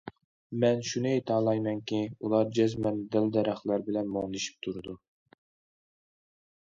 مەن شۇنى ئېيتالايمەنكى، ئۇلار جەزمەن دەل- دەرەخلەر بىلەن مۇڭدىشىپ تۇرىدۇ.